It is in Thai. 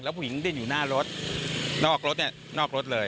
ผู้หญิงดิ้นอยู่หน้ารถนอกรถเนี่ยนอกรถเลย